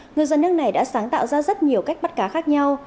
người dân nước này đã sáng tạo ra rất nhiều cách bắt cá khác nhau